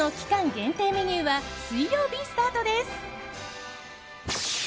限定メニューは水曜日スタートです。